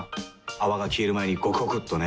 泡が消える前にゴクゴクっとね。